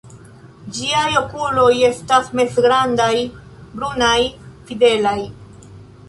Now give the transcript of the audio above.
Ĝiaj okuloj estas mezgrandaj, brunaj, fidelaj.